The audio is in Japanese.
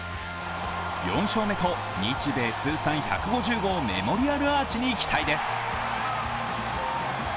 ４勝目と日米通算１５０号メモリアルアーチに期待です。